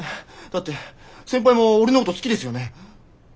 だって先輩も俺のこと好きですよね！？